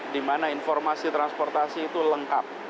di mana informasi transportasi itu lengkap